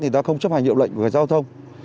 người ta không chấp hành hiệu lệnh của cái giao thông